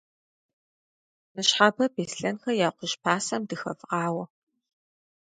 Ныщхьэбэ Беслъэнхэ я кхъужь пасэм дыхэвгъауэ.